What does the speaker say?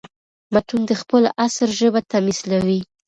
متون د خپل عصر ژبه تميثلوي.